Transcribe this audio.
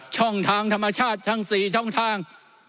ช่องทางธรรมชาติทั้ง๔ช่องทาง